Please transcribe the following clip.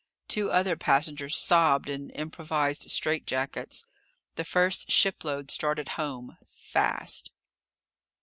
Two other passengers sobbed in improvised strait jackets. The first shipload started home. Fast.